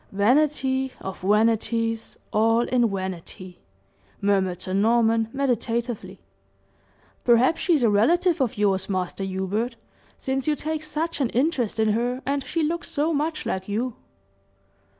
"Vanity of vanities, all in vanity!" murmured Sir Norman, meditatively. "Perhaps she is a relative of yours, Master Hubert, since you take such an interest in her, and she looks so much like you."